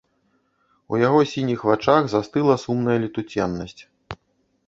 У яго сініх вачах застыла сумная летуценнасць.